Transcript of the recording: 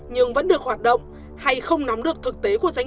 nhưng vẫn được hoạt động hay không nắm được thực tế của gia đình